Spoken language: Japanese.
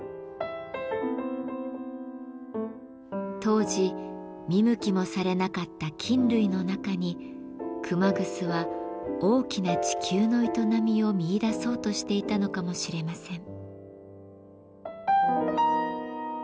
当時見向きもされなかった菌類の中に熊楠は大きな地球の営みを見いだそうとしていたのかもしれません。